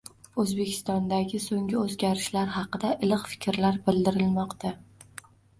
O'zbekistondagi so'nggi o'zgarishlar haqida iliq fikrlar bildirilmoqda.